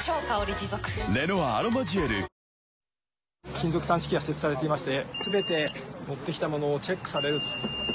金属探知機が設置されていまして、すべて持ってきたものをチェックされる。